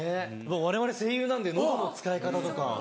われわれ声優なんで喉の使い方とか。